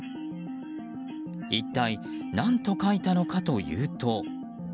一体何と書いたのかというと。